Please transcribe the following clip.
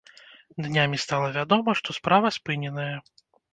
Днямі стала вядома, што справа спыненая.